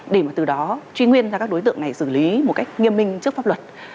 để mà từ đó truy nguyên ra các đối tượng này xử lý một cách nghiêm minh trước pháp luật